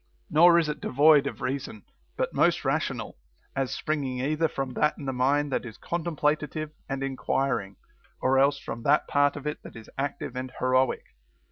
Nor is it devoid of reason, but most rational, as springing either from that in the mind that is contemplative and enquiring, or else from that part of it that is active and heroic.